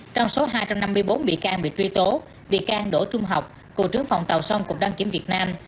trong số hai trăm năm mươi bốn bị can bị truy tố bị can đỗ trung học cựu trưởng phòng tàu sông cục đăng kiểm việt nam